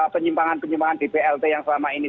penyimpangan penyimpangan di plt yang selama ini